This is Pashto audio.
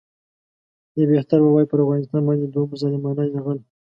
یا بهتر ووایو پر افغانستان باندې دوهم ظالمانه یرغل.